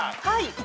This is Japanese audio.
はい。